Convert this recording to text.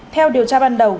theo điều tra ban đầu